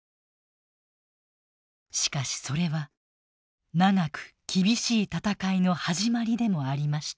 しかしそれは長く厳しい戦いの始まりでもありました。